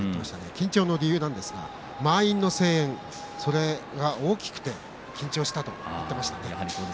緊張の理由ですが満員の声援、それが大きくて緊張したと言っていましたね。